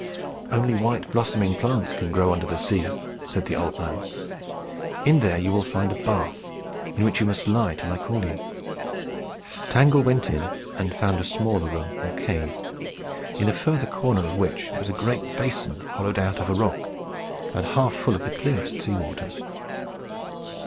"Only white blossoming plants can grow under the sea," said the old man. "In there you will find a bath, in which you must lie till I call you." Tangle went in, and found a smaller room or cave, in the further corner of which was a great basin hollowed out of a rock, and half full of the clearest sea water.